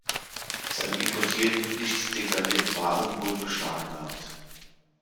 Seine importierten, nicht deklarierten Waren wurden beschlagnahmt.